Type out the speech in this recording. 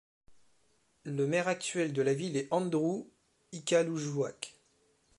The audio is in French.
Le maire actuel de la ville est Andrew Iqalujuaq.